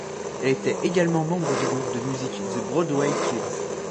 Elle était également membre du groupe de musique The Broadway Kids.